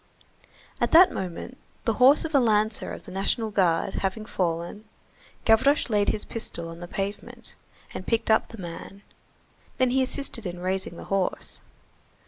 At that moment, the horse of a lancer of the National Guard having fallen, Gavroche laid his pistol on the pavement, and picked up the man, then he assisted in raising the horse.